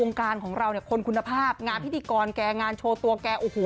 การของเราเนี่ยคนคุณภาพงานพิธีกรแกงานโชว์ตัวแกโอ้โห